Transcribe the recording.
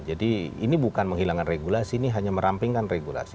ini bukan menghilangkan regulasi ini hanya merampingkan regulasi